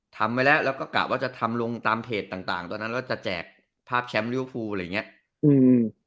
ทำไว้แล้วแล้วก็กะว่าจะทำลงตามเพจต่างต่างตอนนั้นแล้วจะแจกภาพแชมป์ลิวฟูอะไรอย่างเงี้ยอืม